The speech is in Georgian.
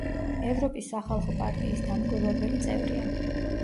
ევროპის სახალხო პარტიის დამკვირვებელი წევრია.